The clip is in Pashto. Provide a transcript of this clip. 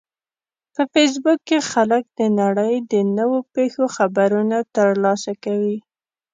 په فېسبوک کې خلک د نړۍ د نوو پیښو خبرونه ترلاسه کوي